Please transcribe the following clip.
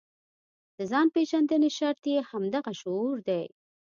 د ځان پېژندنې شرط یې همدغه شعور دی.